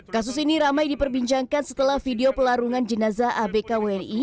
kasus ini ramai diperbincangkan setelah video pelarungan jenazah abk wni